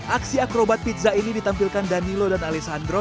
aksi akrobat pizza ini ditampilkan danilo dan alisandro